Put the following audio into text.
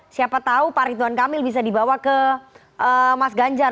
siapa tahu pak ridwan kamil bisa dibawa ke mas ganjar